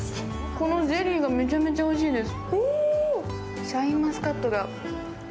このゼリーがめちゃめちゃおいしいです。